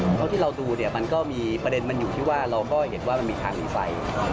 เพราะที่เราดูเนี่ยมันก็มีประเด็นมันอยู่ที่ว่าเราก็เห็นว่ามันมีทางมีไฟ